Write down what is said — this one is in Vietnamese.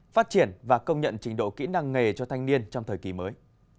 phát triển và công nhận trình độ kỹ năng nghề cho thanh niên trong thời kỳ mới